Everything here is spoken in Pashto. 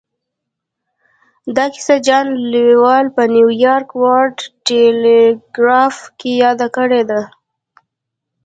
دا کيسه جان لويل په نيويارک ورلډ ټيليګراف کې ياده کړې ده.